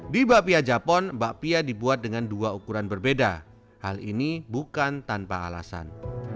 di bapia japon bakpia dibuat dengan dua ukuran berbeda hal ini bukan tanpa alasan